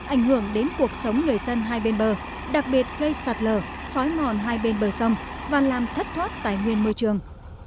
ảnh hưởng đến cuộc sống người dân hai bên bờ đặc biệt gây sạt lở xói mòn hai bên bờ sông và làm thất thoát tài nguyên môi trường